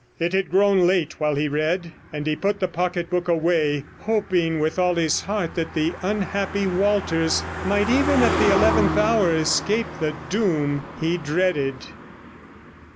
It had grown late while he read, and he put the pocket book away, hoping with all his heart that the unhappy Walters might even at the eleventh hour escape the doom he dreaded.